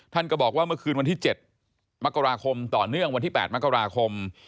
ท่านก็บอกว่าเมื่อคืนวันที่๗มกราคมต่อเนื่องวันที่๘มกราคม